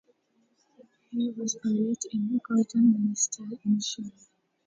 He was buried in Croydon Minster in Surrey.